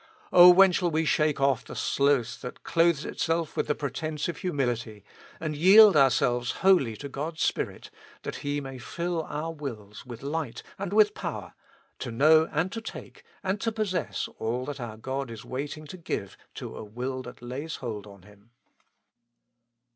O when shall we shake off the sloth that clothes itself with the pretence of humility, and yield ourselves wholly to God's Spirit, that He may fill our wills with light and with power, to know, and to take, and to possess all that our God is waiting to give to a will that lays hold on Him.